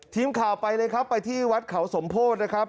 ทีมข่าวไปเลยครับไปที่วัดเขาสมโพธินะครับ